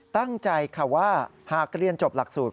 ตั้งใจค่ะว่าหากเรียนจบหลักสูตร